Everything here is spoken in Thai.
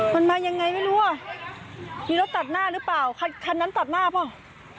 มันมายังไงไม่รู้อ่ะมีรถตัดหน้าหรือเปล่าคันนั้นตัดหน้าเปล่า